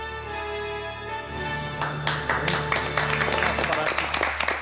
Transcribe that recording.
すばらしい！